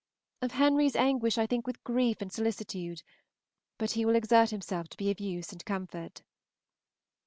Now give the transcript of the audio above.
Of Henry's anguish I think with grief and solicitude; but he will exert himself to be of use and comfort.